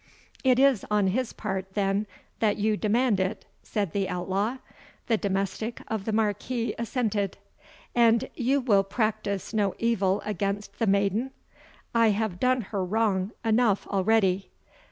"It is on his part, then, that you demand it!" said the outlaw. The domestic of the Marquis assented. "And you will practise no evil against the maiden? I have done her wrong enough already."